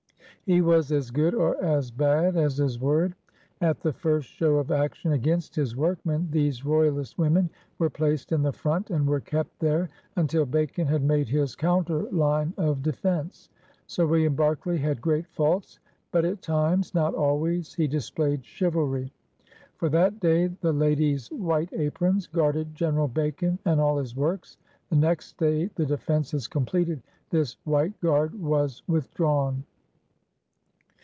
He was as good — or as bad — as hi^ word. At REBELUON AND CHANGE 183 the first show of action against his workmen these royalist women were placed in the front and were k^t there until Bacon had made his counter line of defense. Sir William Berkeley had great faults, but at times — not always — he displayed chivalry. For that day "the ladies' white aprons" guarded General Bacon and all his works* The next day, the defenses completed, this "white garde" was withdrawn.